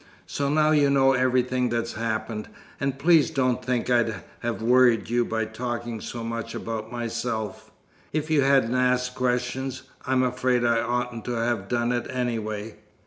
So now you know everything that's happened; and please don't think I'd have worried you by talking so much about myself, if you hadn't asked questions. I'm afraid I oughtn't to have done it, anyway."